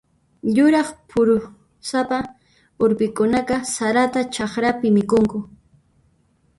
Yuraq phurusapa urpikunaqa sarata chakrapi mikhunku.